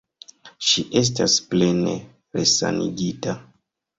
Ŝi estas plene resanigita.